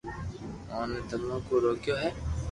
اوني تمو ڪو روڪيو ھي